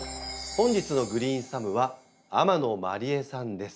本日のグリーンサムは天野麻里絵さんです。